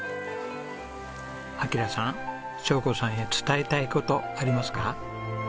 暁良さん晶子さんへ伝えたい事ありますか？